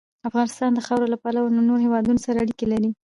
افغانستان د خاوره له پلوه له نورو هېوادونو سره اړیکې لري.